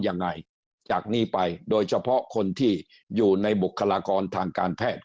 ยังไงจากนี้ไปโดยเฉพาะคนที่อยู่ในบุคลากรทางการแพทย์